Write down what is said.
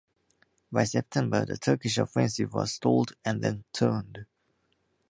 By September the Turkish offensive was stalled and then turned.